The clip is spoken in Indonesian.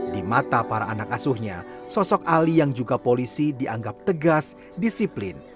di mata para anak asuhnya sosok ali yang juga polisi dianggap tegas disiplin